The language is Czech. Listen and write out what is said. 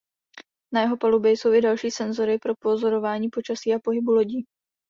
Na jeho palubě jsou i další senzory pro pozorování počasí a pohybu lodí.